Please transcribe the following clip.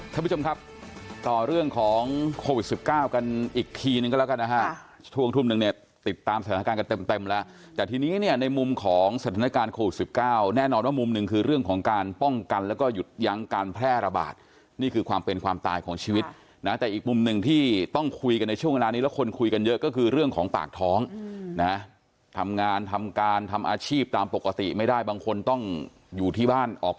คุณผู้ชมครับต่อเรื่องของโควิด๑๙กันอีกทีหนึ่งก็แล้วกันนะฮะทุ่มทุ่มหนึ่งเนี่ยติดตามสถานการณ์กันเต็มแล้วแต่ทีนี้เนี่ยในมุมของสถานการณ์โควิด๑๙แน่นอนว่ามุมหนึ่งคือเรื่องของการป้องกันแล้วก็หยุดยั้งการแพร่ระบาดนี่คือความเป็นความตายของชีวิตนะแต่อีกมุมหนึ่งที่ต้องคุยกันในช่วงข